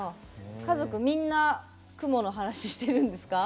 家族みんな雲の話してるんですか？